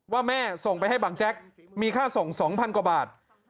ว่าแม่ส่งไปให้บังแจ๊กมีค่าส่ง๒๐๐กว่าบาท